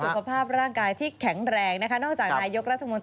ด้วยสุขภาพร่างกายที่แข็งแรงนะ